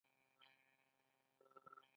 ویل به یې چې پسه خرڅ شي خو پیسې به یې پاتې شي.